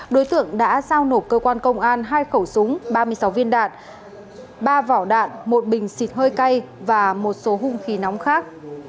đối tượng đã giao nộp cơ quan công an hai khẩu súng ba mươi sáu viên đạn ba vỏ đạn một bình xịt hơi cay và một số hung khí nóng khác